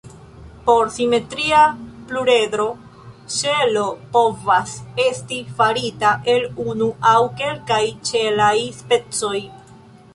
Por simetria pluredro, ŝelo povas esti farita el unu aŭ kelkaj ĉelaj specoj.